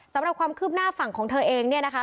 สำหรับความคืบหน้าฝั่งของเธอเองเนี่ยนะคะ